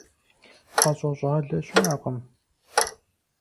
ХьэщӀэ щӀалэ щыӀэкъым.